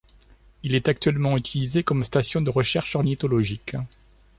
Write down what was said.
Il est actuellement utilisé comme station de recherche ornithologique.